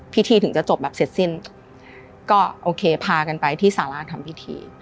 ถึงจะจบแบบเสร็จสิ้นก็โอเคพากันไปที่สาราทำพิธี